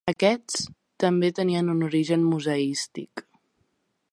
Aquests també tenien un origen museístic.